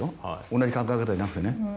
同じ考え方じゃなくてね。